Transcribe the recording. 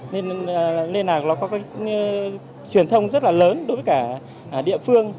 nên là nó có cái truyền thông rất là lớn đối với cả địa phương